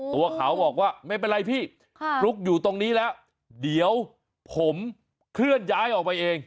ตัวเขาบอกว่าไม่เป็นไรพี่พลุกอยู่ตรงนี้แล้วเดี๋ยวผมเคลื่อนย้ายออกไปเอง